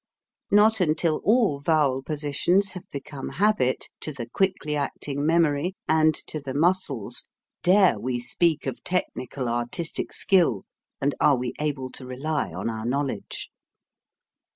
Not until all vowel positions have become habit to the quickly acting memory and to the muscles, dare we speak of technical artistic skill and are we able to rely on our knowledge.